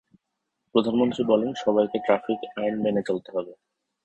প্রধানমন্ত্রী বলেন, সবাইকে ট্রাফিক আইন মেনে চলতে হবে।